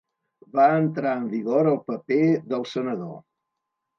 Va entrar en vigor el paper del senador.